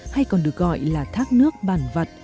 hay còn được gọi là thác nước bản vật